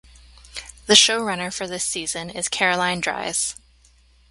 The showrunner for this season is Caroline Dries.